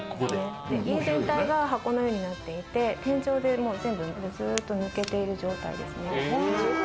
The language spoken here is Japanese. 家全体が箱のようになっていて、天井でもう全部抜けている状態ですね。